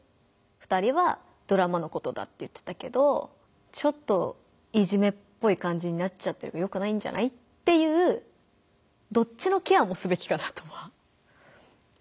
「２人はドラマのことだって言ってたけどちょっといじめっぽい感じになっちゃってるからよくないんじゃない？」っていうどっちのケアもすべきかなとは思います。